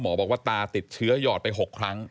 บอกว่าตาติดเชื้อหยอดไป๖ครั้ง